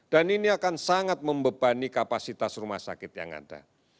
ini akan sangat membebani kapasitas rumah sakit yang ada